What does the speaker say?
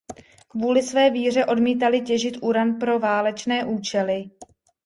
Kvůli své víře odmítali těžit uran pro válečné účely.